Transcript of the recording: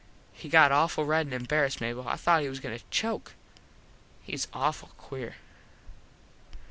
He got awful red and embarassed Mable. I thought he was goin to choke. Hes awful queer.